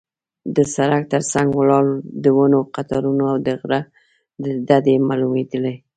د سړک تر څنګ ولاړ د ونو قطارونه او د غره ډډې معلومېدلې.